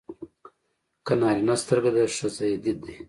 که نارینه سترګه ده ښځه يې دید دی.